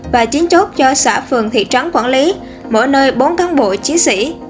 và chín chốt do xã phường thị trấn quản lý mỗi nơi bốn cán bộ chiến sĩ